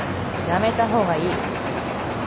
やめた方がいい。